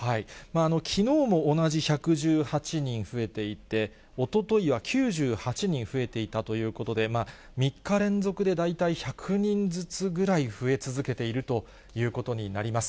きのうも同じ１１８人増えていて、おとといは９８人増えていたということで、３日連続で大体１００人ずつぐらい増え続けているということになります。